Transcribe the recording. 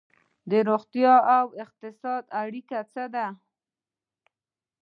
د روغتیا او اقتصاد اړیکه څه ده؟